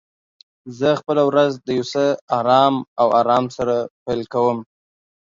زه خپل ورځ د یو څه آرام او آرام سره پیل کوم.